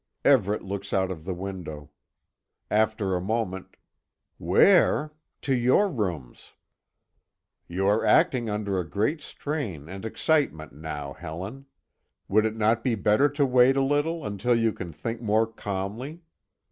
Everet looks out of the window. After a moment: "Where? To your rooms." "You are acting under a great strain and excitement now, Helen. Would it not be better to wait a little, until you can think more calmly?